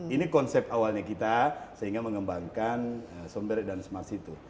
ini konsep awalnya kita sehingga mengembangkan sombere dan smas itu